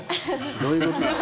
どういうこと？